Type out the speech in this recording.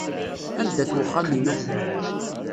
Anda-t wexxam-inu?